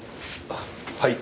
はい。